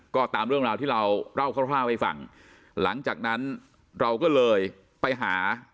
ก็ตามเรื่องราวที่เราเล่าคร่าวให้ฟังหลังจากนั้นเราก็เลยไปหา